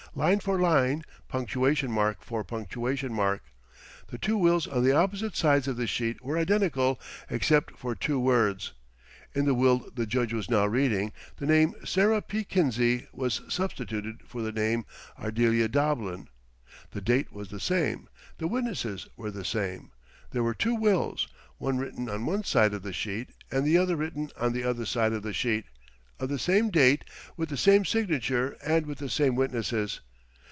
Line for line, punctuation mark for punctuation mark, the two wills on the opposite sides of the sheet were identical except for two words. In the will the Judge was now reading, the name Sarah P. Kinsey was substituted for the name Ardelia Doblin. The date was the same. The witnesses were the same. There were two wills, one written on one side of the sheet and the other written on the other side of the sheet, of the same date, with the same signature, and with the same witnesses.